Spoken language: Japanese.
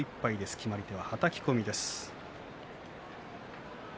決まり手、はたき込みです。